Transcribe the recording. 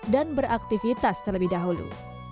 dan beraktivitas terlebih dahulu